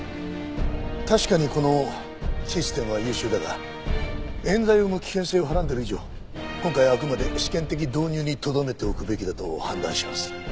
確かにこのシステムは優秀だが冤罪を生む危険性をはらんでる以上今回はあくまで試験的導入にとどめておくべきだと判断します。